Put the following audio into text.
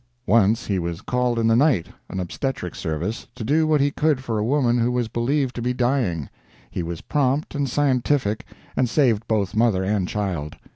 Once he was called in the night, an obstetric service, to do what he could for a woman who was believed to be dying. He was prompt and scientific, and saved both mother and child.